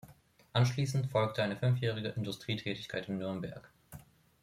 Anschließend folgte eine fünfjährige Industrietätigkeit in Nürnberg.